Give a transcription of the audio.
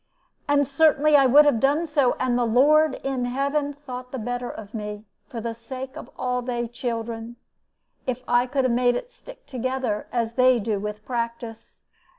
And certainly I would have done so, and the Lord in heaven thought the better of me, for the sake of all they children, if I could have made it stick together, as they do with practice."